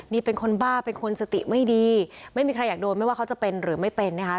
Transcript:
นี่เป็นคนบ้าเป็นคนสติไม่ดีไม่มีใครอยากโดนไม่ว่าเขาจะเป็นหรือไม่เป็นนะคะ